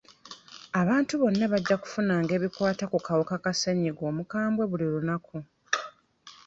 Abantu bonna bajja kufunanga ebikwata ku kawuka ka ssennyiga omukambwe buli lunaku.